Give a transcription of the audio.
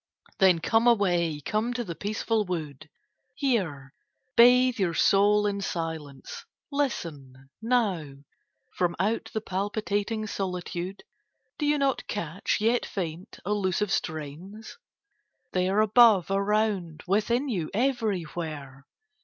Then come away, come to the peaceful wood, Here bathe your soul in silence. Listen! Now, From out the palpitating solitude Do you not catch, yet faint, elusive strains? They are above, around, within you, everywhere.